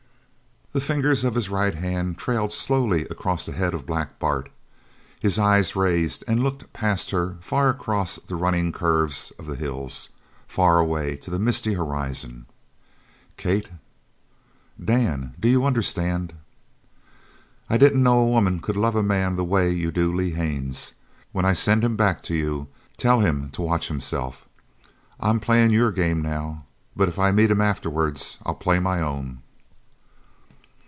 The fingers of his right hand trailed slowly across the head of Black Bart. His eyes raised and looked past her far across the running curves of the hills, far away to the misty horizon. "Kate " "Dan, you do understand?" "I didn't know a woman could love a man the way you do Lee Haines. When I send him back to you tell him to watch himself. I'm playin' your game now, but if I meet him afterwards, I'll play my own."